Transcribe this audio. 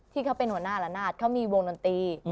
ที่เขาเป็นหัวหน้าละนาดเขามีวงดนตรี